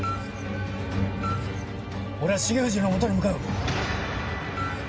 俺は重藤の元に向かう。